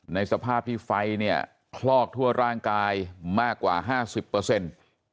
ในสภาพที่ไฟเนี่ยคลอกทั่วร่างกายมากกว่าห้าสิบเปอร์เซ็นต์